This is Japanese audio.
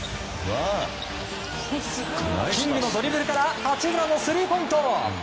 キングのドリブルから八村のスリーポイント。